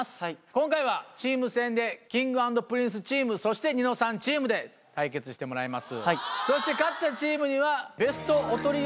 今回はチーム戦でＫｉｎｇ＆Ｐｒｉｎｃｅチームそしてニノさんチームで対決してもらいます。